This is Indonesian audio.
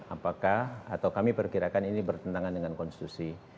apakah atau kami perkirakan ini bertentangan dengan konstitusi